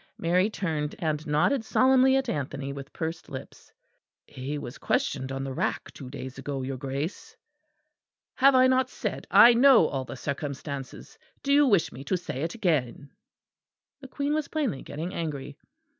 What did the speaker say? (Mary turned and nodded solemnly at Anthony, with pursed lips.) "He was questioned on the rack two days ago, your Grace." "Have I not said I know all the circumstances? Do you wish me to say it again?" The Queen was plainly getting angry.